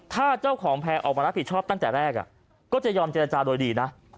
ถ้าเจ้าของแพร่ออกมารับผิดชอบตั้งแต่แรกก็จะยอมเจรจาโดยดีนะ